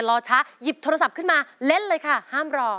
รอช้าหยิบโทรศัพท์ขึ้นมาเล่นเลยค่ะห้ามรอ